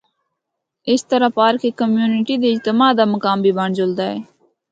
اس طرح پارک ہک کمیونٹی دے اجتماع دا مقام بھی بنڑ جلدا ہے۔